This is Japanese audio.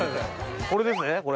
これですねこれ。